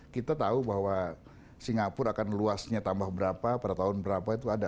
kita tahu bahwa singapura akan luasnya tambah berapa pada tahun berapa itu ada